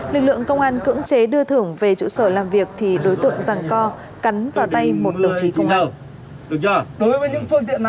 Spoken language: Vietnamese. lực lượng công an cưỡng chế đưa thưởng về trụ sở làm việc thì đối tượng ràng co cắn vào tay một đồng chí công an